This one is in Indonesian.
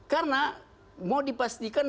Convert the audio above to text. karena mau dipastikan